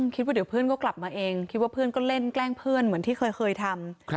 คิดว่าเดี๋ยวเพื่อนก็กลับมาเองคิดว่าเพื่อนก็เล่นแกล้งเพื่อนเหมือนที่เคยทำ